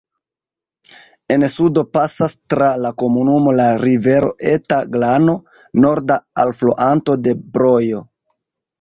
En sudo pasas tra la komunumo la rivero Eta Glano, norda alfluanto de Brojo.